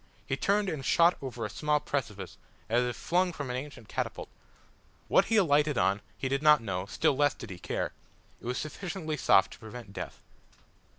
He turned and shot over a small precipice, as if flung from an ancient catapult. What he alighted on he did not know, still less did he care. It was sufficiently soft to prevent death.